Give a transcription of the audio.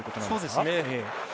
そうですね。